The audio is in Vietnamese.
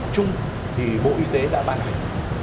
trung thì bộ y tế đã bàn hành